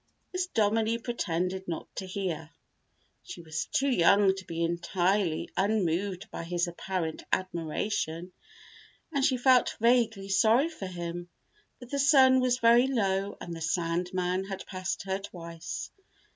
Miss Dominie pretended not to hear. She was too young to be entirely unmoved by his apparent admiration and she felt vaguely sorry for him; but the sun was very low and the sand man had passed her twice.